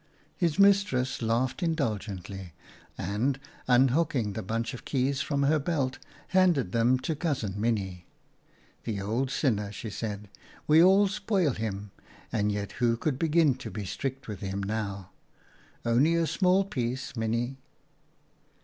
His mistress laughed indulgently, and, un hooking the bunch of keys from her belt, handed them to Cousin Minnie. "The old sinner !" she said. " We all spoil him, and yet who could begin to be strict with him now? Only a small piece, Minnie."